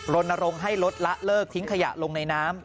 รณรงค์ให้ลดละเลิกทิ้งขยะลงในน้ำ